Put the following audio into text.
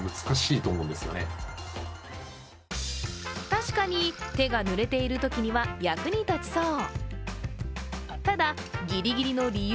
確かに手がぬれているときには役に立ちそう。